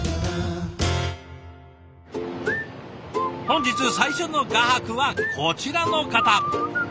本日最初の画伯はこちらの方。